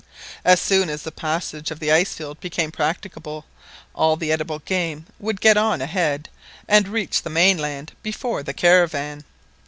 As soon as the passage of the ice field became practicable, all the edible game would get on ahead and reach the mainland before the caravan.